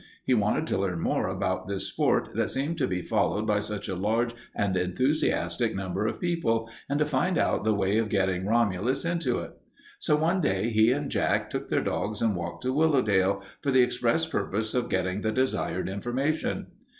He wanted to learn more about this sport that seemed to be followed by such a large and enthusiastic number of people, and to find out the way of getting Romulus into it. So one day he and Jack took their dogs and walked to Willowdale, for the express purpose of getting the desired information.